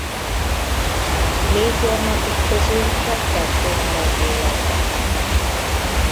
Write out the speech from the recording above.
Négy gyermekük közül csak kettő maradt életben.